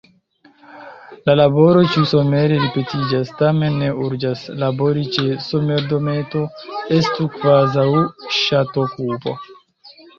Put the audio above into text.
La laboro ĉiusomere ripetiĝas, tamen ne urĝas: labori ĉe somerdometo estu kvazaŭ ŝatokupo.